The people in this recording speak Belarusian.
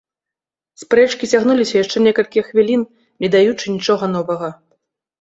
Спрэчкі цягнуліся яшчэ некалькі хвілін, не даючы нічога новага.